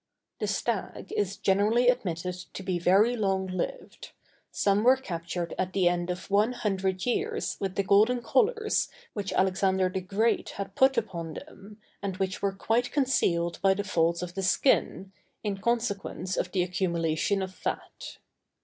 The stag is generally admitted to be very long lived; some were captured at the end of one hundred years with the golden collars which Alexander the Great had put upon them, and which were quite concealed by the folds of the skin, in consequence of the accumulation of fat.